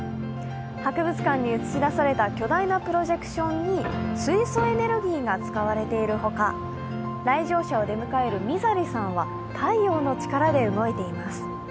博物館に映し出された巨大なプロジェクションに水素エネルギーが使われているほか来場者を出迎えるミザリさんは太陽の力で動いています。